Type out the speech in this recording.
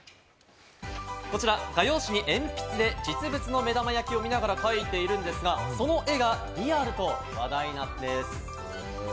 こちらが画用紙に鉛筆で実物の目玉焼きを見ながら描いているんですが、その絵がリアルと話題なんです。